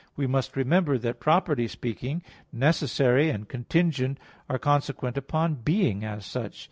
We must remember that properly speaking "necessary" and "contingent" are consequent upon being, as such.